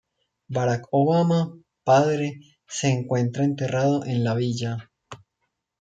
Barack Obama, padre, se encuentra enterrado en la villa.